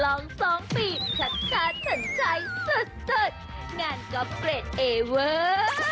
ลองสองปีชัดสนใจสุดงานก๊อฟเกรดเอเวอร์